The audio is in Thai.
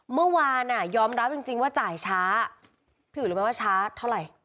เมื่อวานยอมรับจริงว่าจ่ายช้าพี่อุ๋ยรู้ไหมว่าช้าเท่าไหร่